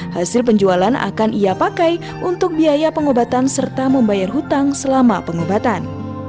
hasil penjualan akan ia pakai untuk biaya pengobatan serta membayar hutang selama pengobatan